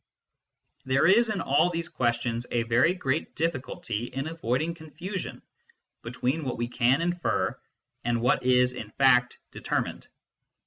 There is, in all these questions, a very great difficulty in avoiding confusion between what we can infer and what is in fact determined.